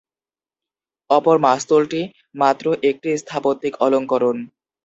অপর মাস্তুলটি মাত্র একটি স্থাপত্যিক অলঙ্করণ।